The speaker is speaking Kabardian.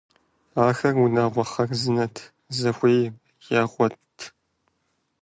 Ахэр унагъуэ хъарзынэт, захуейр ягъуэтырт.